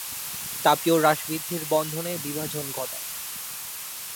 তাপীয় হ্রাস-বৃদ্ধি বন্ধনের বিভাজন ঘটায়।